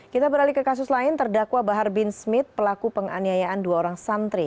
kita beralih ke kasus lain terdakwa bahar bin smith pelaku penganiayaan dua orang santri